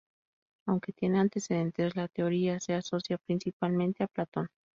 Aunque tiene antecedentes, la teoría se asocia principalmente a Platón.